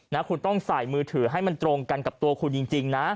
นะคุณต้องใส่มือถือให้มันตรงกันกับตัวคุณจริงนะ